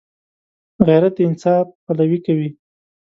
غیرت د انصاف پلوي کوي